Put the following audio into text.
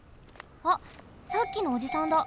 あっさっきのおじさんだ。